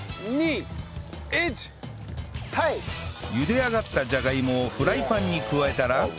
茹で上がったじゃがいもをフライパンに加えたら